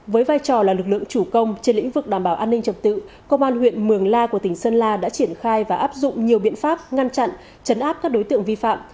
với vai trò là lực lượng chủ công trên lĩnh vực đảm bảo an ninh trật tự công an huyện mường la của tỉnh sơn la đã triển khai và áp dụng nhiều biện pháp ngăn chặn chấn áp các đối tượng vi phạm